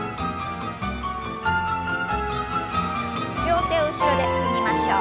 両手を後ろで組みましょう。